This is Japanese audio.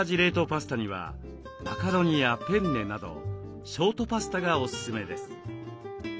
パスタにはマカロニやペンネなどショートパスタがおすすめです。